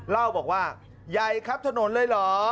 เล่าบอกว่าใหญ่ครับถนนเลยเหรอ